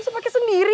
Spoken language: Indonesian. bisa pake sendiri